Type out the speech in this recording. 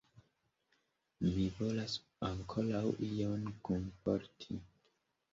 Mi volas ankoraŭ ion kunporti.